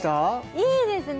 いいですね